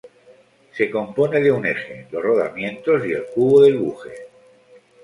Se compone de un eje, los rodamientos y el cubo del buje.